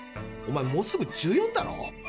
おまえもうすぐ１４だろ？